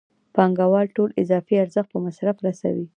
پانګوال ټول اضافي ارزښت په مصرف رسوي